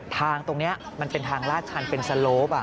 ทางตรงนี้มันเป็นทางลาดชันเป็นสโลป